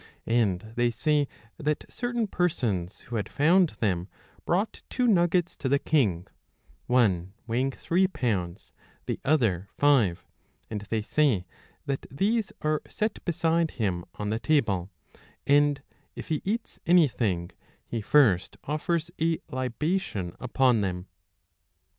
And they say that certain persons, who had found them, brought two nuggets to the king, one weighing three pounds, the other five ; and they say that these are set beside him on the table, and, if he eats anything, he first offers a libation upon them.